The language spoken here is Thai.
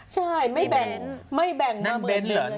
ใช่ไม่แบ่งหน้าเบนเลย